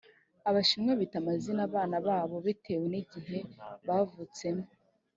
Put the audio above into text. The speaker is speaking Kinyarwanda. abashinwa bita amazina abana babo bitewe nigihe bavutsemo